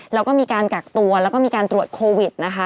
แล้วก็มีการกักตัวแล้วก็มีการตรวจโควิดนะคะ